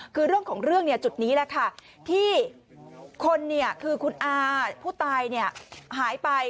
คือเรื่องของเรื่องเนี่ยจุดนี้แหละค่ะที่คนเนี่ยคือคุณอาผู้ตายเนี่ยหายไป